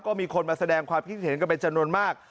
ก็มีคนมาแสดงความคิดเห็นกันเป็นจำนวนมาก